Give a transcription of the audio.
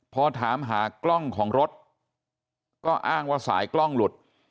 พอถามหากล้องของรถก็อ้างว่าสายกล้องหลุด